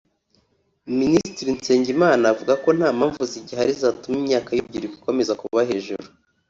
Minisitiri Nsengimana avuga ko nta mpamvu zigihari zatuma imyaka y’urubyiruko ikomeza kuba hejuru